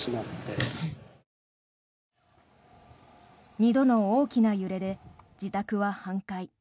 ２度の大きな揺れで自宅は半壊。